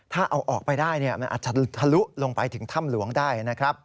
ถ้าเอาออกไปได้มันอาจจะทะลุลงไปถึงถ้ำหลวงได้นะครับ